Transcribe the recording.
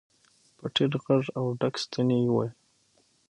په ټيټ غږ او ډک ستوني يې وويل.